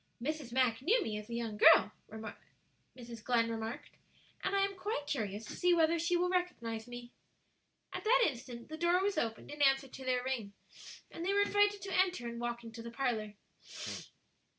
"Mrs. Mack knew me as a young girl," Mrs. Glenn remarked, "and I am quite curious to see whether she will recognize me." At that instant the door was opened in answer to their ring, and they were invited to enter and walk into the parlor.